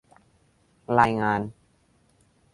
รายงาน